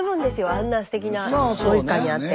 あんなすてきなご一家に会って。